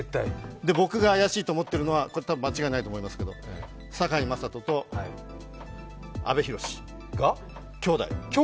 僕が怪しいと思っているのは間違いないと思いますけど堺雅人と、阿部寛が兄弟。